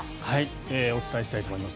お伝えしたいと思います。